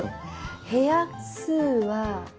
部屋数は。